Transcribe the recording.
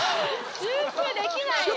集中できないよ